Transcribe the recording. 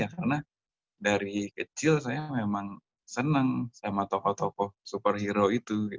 karena dari kecil saya memang senang sama tokoh tokoh superhero itu